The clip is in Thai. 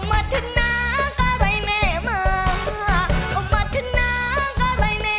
อ๋อมัธนาก่ะอะไรแม่อ๋อมัธนาก่ะอะไรแม่